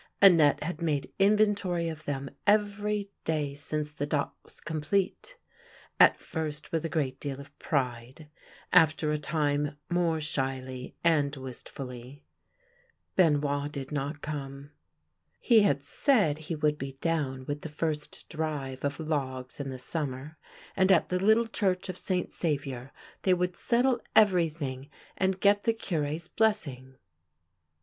Annette had made inventory of them every day since the dot was complete — at first with a great deal of pride, after a time more shyly and wist fully : Benoit did not come. He had said he would be down with the first drive of logs in the summer, and at the little church of St. Saviour they would settle every thing and get the Cure's blessing.